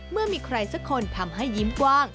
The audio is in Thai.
เมื่อมีคนก็จะมาช่วยกับเรา